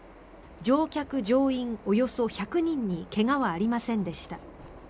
乗客・乗員およそ１００人に怪我はありませんでした。